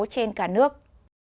trên cả nước